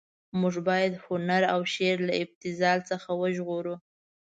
موږ باید هنر او شعر له ابتذال څخه وژغورو.